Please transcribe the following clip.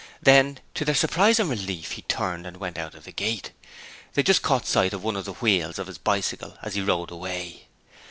Then, to their surprise and relief, he turned and went out of the gate! They just caught sight of one of the wheels of his bicycle as he rode away.